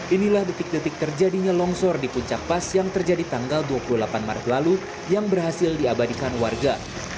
inilah detik detik terjadinya longsor di puncak pas yang terjadi tanggal dua puluh delapan maret lalu yang berhasil diabadikan warga